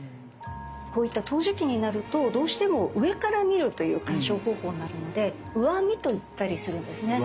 こういった陶磁器になるとどうしても上から見るという観賞方法になるので「上見」と言ったりするんですね。